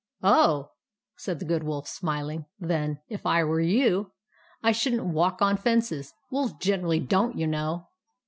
"Oh!" said the Good Wolf, smiling " Then if I were you, I should n't walk on fences. Wolves generally don't, you know."